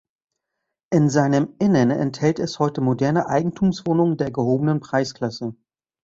In seinem Innern enthält es heute moderne Eigentumswohnungen der gehobenen Preisklasse.